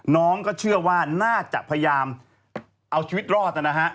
น้องก็เชื่อว่าน่าจะพยายามเอาชีวิตรอดนะฮะ